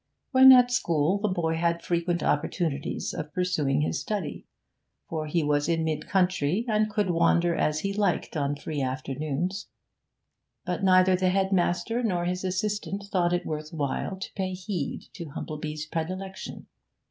When at school the boy had frequent opportunities of pursuing his study, for he was in mid country and could wander as he liked on free afternoons; but neither the headmaster nor his assistant thought it worth while to pay heed to Humplebee's predilection.